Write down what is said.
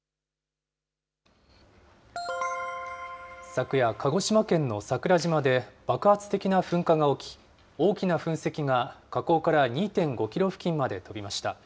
昨夜、鹿児島県の桜島で爆発的な噴火が起き、大きな噴石が火口から２．５キロ付近まで飛びました。